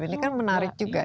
ini kan menarik juga